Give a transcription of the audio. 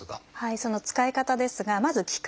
その使い方ですがまず期間です。